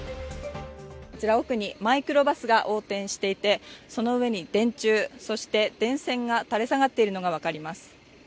あちら奥にマイクロバスが横転していて、その上に電柱、そして電線が垂れ下がっているのが分かります。